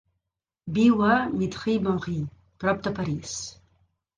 Viu a Mitry-Mory, prop de París.